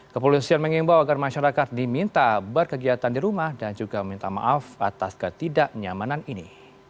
kepolisian mengimbau agar masyarakat diminta berkegiatan di rumah dan juga minta maaf atas ketidaknyamanan ini